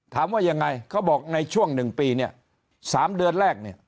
ถามว่ายังไงเขาบอกในช่วง๑ปีเนี่ย๓เดือนแรกเนี่ย